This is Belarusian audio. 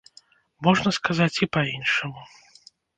Можна сказаць і па-іншаму.